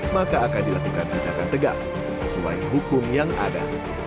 maka akan dilakukan tindakan tegas sesuai hukum yang ada